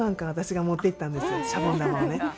シャボン玉をね。